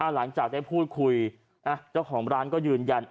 หลังจากได้พูดคุยเจ้าของร้านก็ยืนยัน